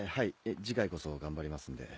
次回こそ頑張りますので。